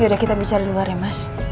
sudah kita bicara di luar ya mas